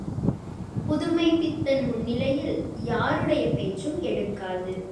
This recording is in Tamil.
புதுமைப்பித்தன் முன்னிலையில் யாருடைய பேச்சும் எடுக்காது.